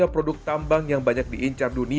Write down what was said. untuk mencoba untuk menguasai